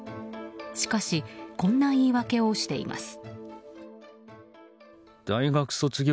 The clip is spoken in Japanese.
しかしこんな言い訳をしています。